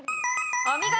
お見事！